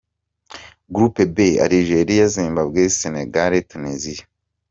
Group B: Algeria, Zimbabwe, Senegal, Tunisia.